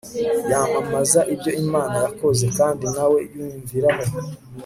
yamamaza ibyo imana yakoze, kandi na we yumviraho